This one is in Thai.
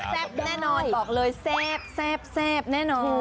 อ่าแซ่บแน่นอนบอกเลยแซ่บแซ่บแซ่บแน่นอน